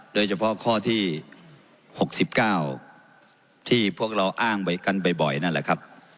โดยเฉพาะข้อที่๖๙ที่พวกเราอ้างไว้กันบ่อยนั่นแหละครับ